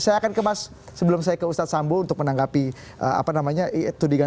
saya akan kemas sebelum saya ke ustadz sambo untuk menanggapi tudingan tudingan